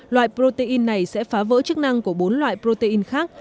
loại protein này sẽ phá vỡ chức năng của bốn loại protein khác